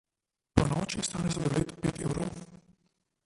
Ponoči stane sladoled pet evrov.